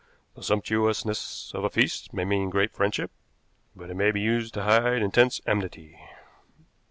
The sumptuousness of a feast may mean great friendship, but it may be used to hide intense enmity.